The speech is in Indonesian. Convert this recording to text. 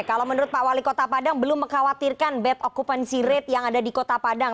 kalau menurut pak wali kota padang belum mengkhawatirkan bad occupancy rate yang ada di kota padang